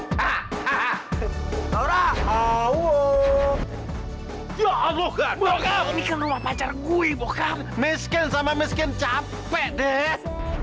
ini kan rumah pacar gue bokap miskin sama miskin capek deh